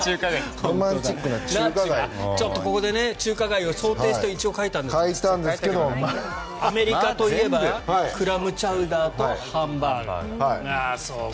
ここで中華街を想定して書いたんですがアメリカといえばクラムチャウダーとハンバーガー。